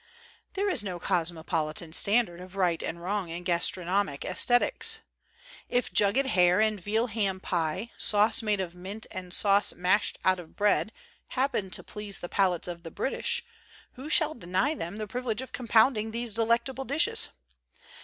There is no cosmopolitan standard of right and wrong in gastronomic esthetics. If jugged hare and veal and ham pie, sauce made of mint and sauce mashed out of bread happen to please the 186 COSMOPOLITAN COOKERY palates of the British, who shall deny them the privilege of compounding these delectable dishes?